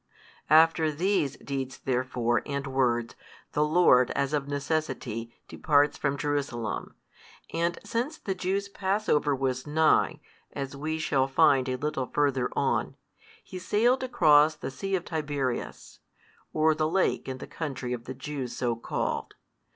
After these deeds therefore and words, the Lord, as of necessity, departs from Jerusalem, and since the Jews' Passover 5 was nigh (as we shall find a little further on) He sailed across the sea of Tiberias, or the lake in the country of the Jews so called.